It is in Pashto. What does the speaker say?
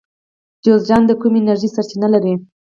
جوزجان د کومې انرژۍ سرچینه لري؟